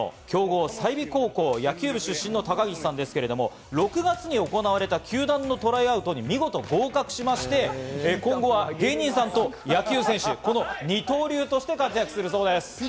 愛媛の強豪・済美高校野球部出身の高岸さんですけれども、６月に行われた球団のトライアウトに見事合格しまして、今後は芸人さんと野球選手、この二刀流として活躍するそうです。